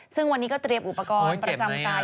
ซึ่งวันนี้ก็เตรียมอุปกรณ์ประจำกาย